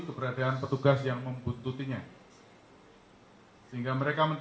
wassalamu'alaikum warahmatullahi wabarakatuh